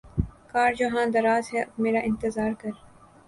کار جہاں دراز ہے اب میرا انتظار کر